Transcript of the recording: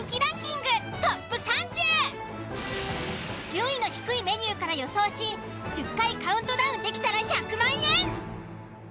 順位の低いメニューから予想し１０回カウントダウンできたら１００万円！